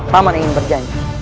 pak man ingin berjanji